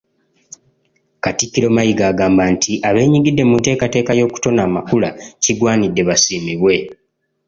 Katikkiro Mayiga agamba nti abeenyigidde mu nteekateeka y'okutona amakula kigwanidde basiimibwe.